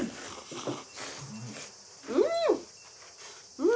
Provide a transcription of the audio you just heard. うん！